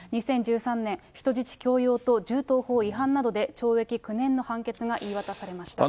２０１３年、人質強要と銃刀法違反などで懲役９年の判決が言い渡されました。